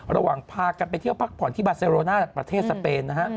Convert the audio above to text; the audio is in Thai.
ระหว่างพากันไปเที่ยวพักผ่อนที่บาเซโรนาประเทศสเปนนะฮะ